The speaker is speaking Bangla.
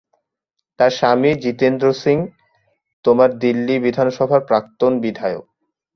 তার স্বামী জিতেন্দ্র সিং তোমার দিল্লি বিধানসভার প্রাক্তন বিধায়ক।